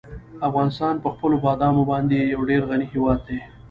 افغانستان په خپلو بادامو باندې یو ډېر غني هېواد دی.